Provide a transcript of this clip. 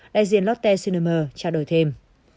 lai diện lotte cinema trao đổi thêm